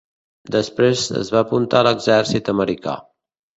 Després es va apuntar a l'exèrcit americà.